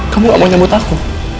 kamu gak mau nyambut aku